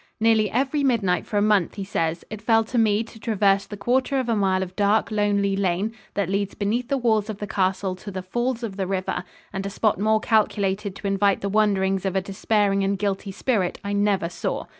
"Nearly every midnight for a month," he says, "it fell to me to traverse the quarter of a mile of dark, lonely lane that leads beneath the walls of the castle to the falls of the river, and a spot more calculated to invite the wanderings of a despairing and guilty spirit, I never saw.